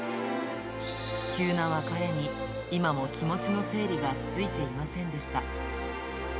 急な別れに、今も気持ちの整理がついていませんでした。